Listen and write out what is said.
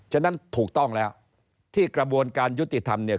ฉะนั้นถูกต้องแล้วที่กระบวนการยุติธรรมเนี่ย